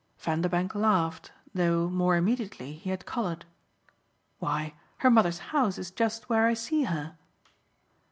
Vanderbank laughed though more immediately he had coloured. "Why, her mother's house is just where I see her!"